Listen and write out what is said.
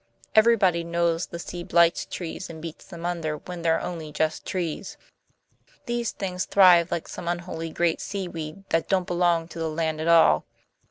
Everybody knows the sea blights trees and beats them under, when they're only just trees. These things thrive like some unholy great seaweed that don't belong to the land at all.